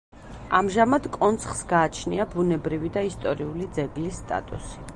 ამჟამად კონცხს გააჩნია ბუნებრივი და ისტორიული ძეგლის სტატუსი.